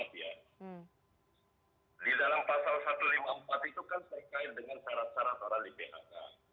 di dalam pasal satu ratus lima puluh empat itu kan terkait dengan syarat syarat orang di phk